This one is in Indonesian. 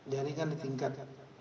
jaringan di tingkat